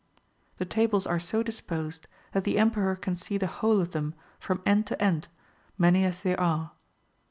The tables are so disposed that the Emperor can see the whole of them from end to end, many as they are.